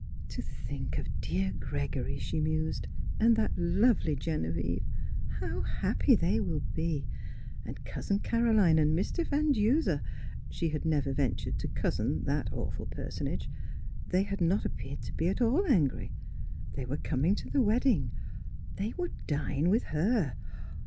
To think of dear Gregory, she mused, and that lovely Genevieve — how happy they will be! And Cousin Caroline and Mr. Van Duser (she had never ventured to cousin that awful personage) — they had not appeared to be at all angry — were coming to the wedding; they would dine with her.